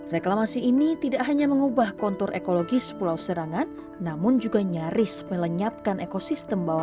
reklamasi ini tidak hanya mengubah kontur ekologis pulau serangan namun juga nyaris melenyapkan ekosistem bawah